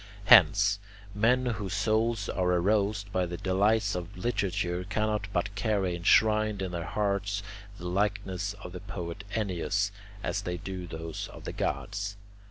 Hence, men whose souls are aroused by the delights of literature cannot but carry enshrined in their hearts the likeness of the poet Ennius, as they do those of the gods.